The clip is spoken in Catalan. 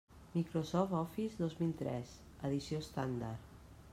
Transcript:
Microsoft Office dos mil tres, edició estàndard.